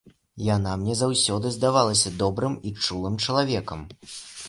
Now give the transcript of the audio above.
Яна мне заўсёды здавалася добрым і чулым чалавекам.